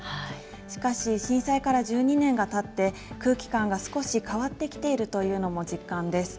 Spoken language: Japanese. しかし、震災から１２年がたって、空気感が少し変わってきているというのも実感です。